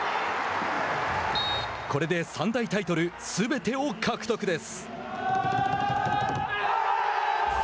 これで三大タイトルすべてを獲得です。